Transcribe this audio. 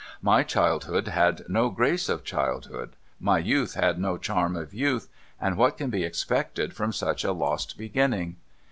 My childhood had no grace of childhood, my youth had no charm of youth, and what can be expected from such a lost beginning